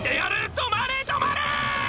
止まれ止まれ！」